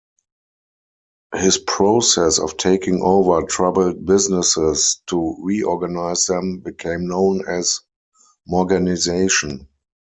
His process of taking over troubled businesses to reorganize them became known as "Morganization".